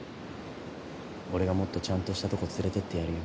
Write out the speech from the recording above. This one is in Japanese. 俺がもっとちゃんとしたとこ連れていってやるよ。